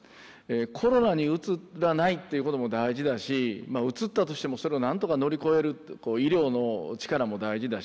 コロナにうつらないっていうことも大事だしうつったとしてもそれを何とか乗り越える医療の力も大事だし。